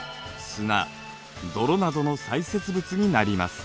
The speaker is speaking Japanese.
・砂・泥などの砕屑物になります。